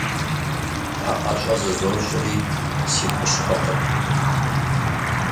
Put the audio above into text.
Пэӏэщӏэ зызощӏри – си хущхъуэкъым.